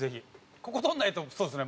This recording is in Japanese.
ここ取らないとそうですね